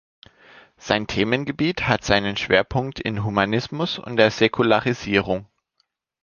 Sein Themengebiet hat seinen Schwerpunkt im Humanismus und der Säkularisierung.